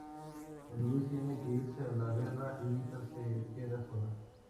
Cuando Luis tiene que irse a la guerra, Evita se queda sola.